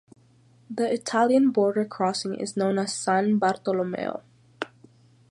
The Italian border crossing is known as San Bartolomeo.